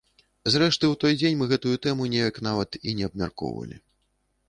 Зрэшты, у той дзень мы гэтую тэму неяк нават і не абмяркоўвалі.